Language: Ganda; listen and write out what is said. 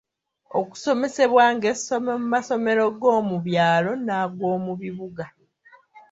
Okusomesebwa ng'essomo mu masomero g'omu byalo n'ag’omu bibuga.